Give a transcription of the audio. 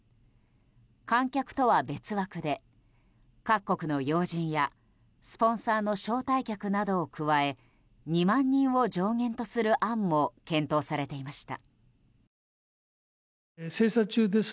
観客とは別枠で、各国の要人やスポンサーの招待客などを加え２万人を上限とする案も検討されていました。